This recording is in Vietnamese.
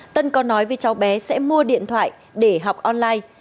tân có nói với cháu bé sẽ mua điện thoại để học online